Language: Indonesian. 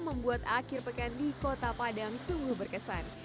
membuat akhir pekan di kota padang sungguh berkesan